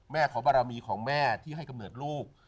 ขอบารมีของแม่ที่ให้กำเนิดลูก